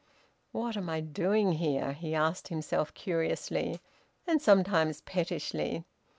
"What am I doing here?" he asked himself curiously, and sometimes pettishly.